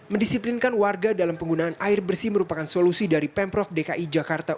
mendisiplinkan warga dalam penggunaan air bersih merupakan solusi dari pemprov dki jakarta